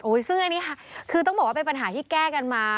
ซึ่งอันนี้ค่ะคือต้องบอกว่าเป็นปัญหาที่แก้กันมา